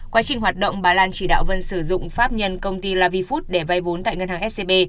quá trình hoạt động bà lan chỉ đạo vân sử dụng pháp nhân công ty lavifood để vay vốn tại ngân hàng scb